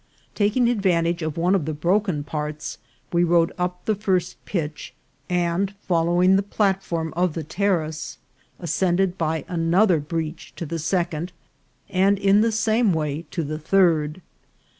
Taking advantage of one of the broken parts, we rode up the first pitch, and, following the platform of the terrace, ascended by an other breach to the second, and in the same way to the third.